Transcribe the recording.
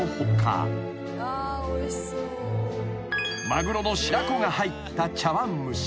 ［マグロの白子が入った茶わん蒸し］